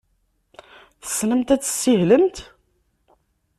Tessnemt ad tessihlemt?